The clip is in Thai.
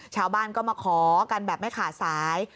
ชาวบ้านก็มาขอกันแบบไม่ขาดสาย